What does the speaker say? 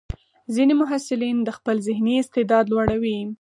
ځینې محصلین د خپل ذهني استعداد لوړوي.